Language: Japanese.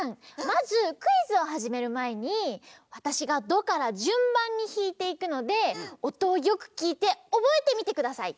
まずクイズをはじめるまえにわたしがドからじゅんばんにひいていくのでおとをよくきいておぼえてみてください。